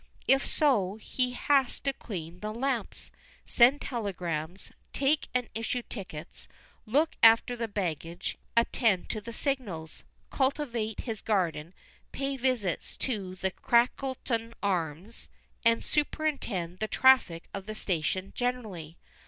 If so, he has to clean the lamps, send telegrams, take and issue tickets, look after the baggage, attend to the signals, cultivate his garden, pay visits to the Crackleton Arms, and superintend the traffic of the station generally.